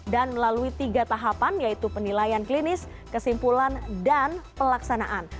dan melalui tiga tahapan yaitu penilaian klinis kesimpulan dan pelaksanaan